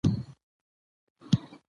له روغتون تر ناروغتونه: عنوان مخې ته راځي .